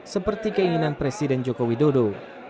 seperti keinginan presiden joko widodo